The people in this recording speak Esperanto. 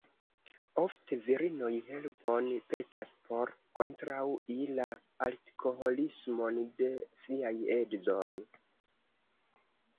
Ofte virinoj helpon petas por kontraŭi la alkoholismon de siaj edzoj.